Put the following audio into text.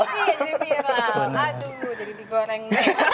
iya jadi viral aduh jadi digoreng